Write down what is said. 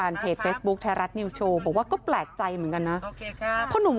รีสอร์ทเท่านั้นอยู่ด้วย